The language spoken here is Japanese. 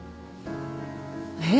えっ？